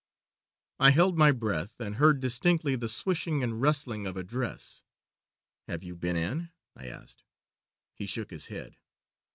"I held my breath, and heard distinctly the swishing and rustling of a dress. "'Have you been in?' I asked. "He shook his head.